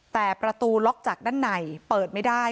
แต่ประตูล็อกจากด้านในเปิดไม่ได้